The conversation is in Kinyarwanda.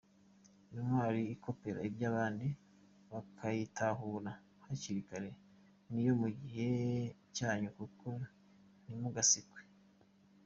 Intwari ikopera iby’abandi bakayitahura hakiri kare, Ni iyo mu gihe cyanyu koko ntimugasekwe.